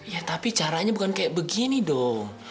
ya tapi caranya bukan kayak begini dong